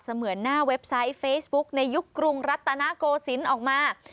เหมือนหน้าเว็บไซต์เฟซบุ๊กในยุคกรุงรัตนโกศิลป์ออกมา